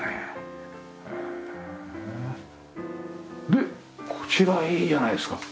でこちらいいじゃないですか。